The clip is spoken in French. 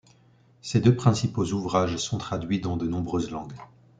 Ses deux principaux ouvrages sont traduits dans de nombreuses langues.